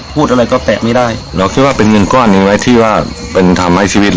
พูดอะไรก็แตกไม่ได้เราคิดว่าเป็นเงินก้อนหนึ่งไหม